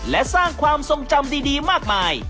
และสร้างความทรงจำดีมากมาย